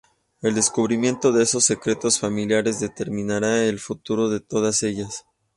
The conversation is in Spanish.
El descubrimiento de esos secretos familiares determinará el futuro de todas ellas.